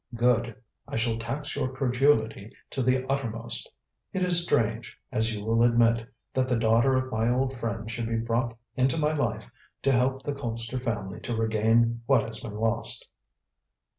"Good. I shall tax your credulity to the uttermost. It is strange, as you will admit, that the daughter of my old friend should be brought into my life to help the Colpster family to regain what has been lost."